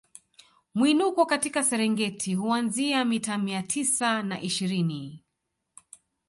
Mwinuko katika Serengeti huanzia mita mia tisa na ishirini